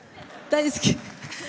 大好き。